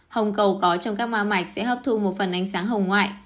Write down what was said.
hồng cầu có trong các ma mạch sẽ hấp thu một phần ánh sáng hồng ngoại